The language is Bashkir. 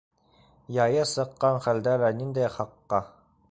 Яйы сыҡҡан хәлдә лә ниндәй хаҡҡа?